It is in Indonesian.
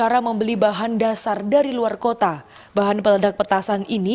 ketiga yang dikumpulkan oleh petasan